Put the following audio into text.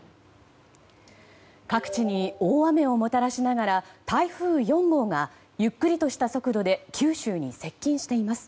各地に大雨をもたらしながら台風４号がゆっくりとした速度で九州に接近しています。